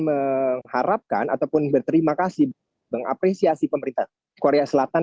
mengharapkan ataupun berterima kasih mengapresiasi pemerintah korea selatan